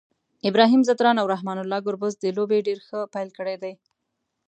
ابراهیم ځدراڼ او رحمان الله ګربز د لوبي ډير ښه پیل کړی دی